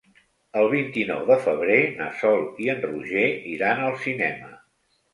El vint-i-nou de febrer na Sol i en Roger iran al cinema.